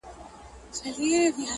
د ګټلو او ټول افغانستان ته